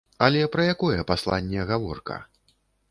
Але пра якое пасланне гаворка?